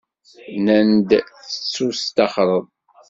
Nnan-d tettusṭaxreḍ.